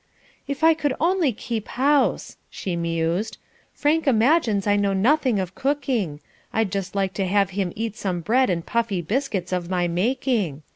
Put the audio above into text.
"If I could only keep house," she mused. "Frank imagines I know nothing of cooking. I'd just like to have him eat some bread and puffy biscuits of my making.